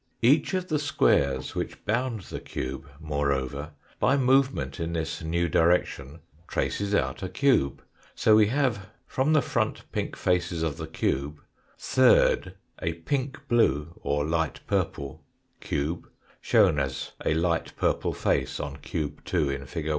Each of the squares which bound the cube, moreover, by move ment in this new direction traces out a cube, so we have from the front pink faces of the cube, third, a pink blue or light purple cube, shown as a light purple face on cube 2 in fig.